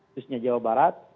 khususnya jawa barat